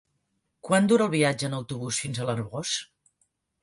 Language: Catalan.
Quant dura el viatge en autobús fins a l'Arboç?